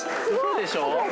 ・嘘でしょ